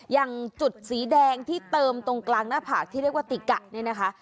อย่างจุดสีแดงที่เติมตรงกลางหน้าผากที่เรียกว่าติกะเนี่ยนะคะ